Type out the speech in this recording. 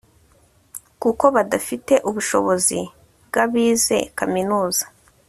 kuko badafite ubushobozi bw'abize kaminuza